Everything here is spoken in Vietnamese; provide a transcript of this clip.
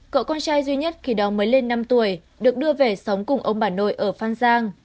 cậu con trai duy nhất khi đó mới lên năm tuổi được đưa về sống cùng ông bà nội ở phan giang